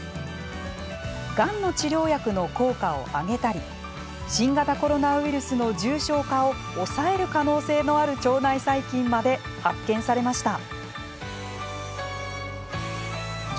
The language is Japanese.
がんの治療薬の効果を上げたり新型コロナウイルスの重症化を抑える可能性のある腸内細菌まで発見されました。